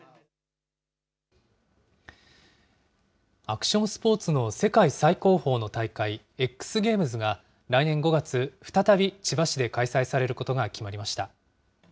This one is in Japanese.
アクションスポーツの世界最高峰の大会、Ｘゲームズが、来年５月、再び千葉市で開催されることが決まりました。